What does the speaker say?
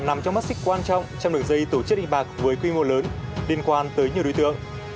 nằm trong mắt xích quan trọng trong đường dây tổ chức đánh bạc với quy mô lớn liên quan tới nhiều đối tượng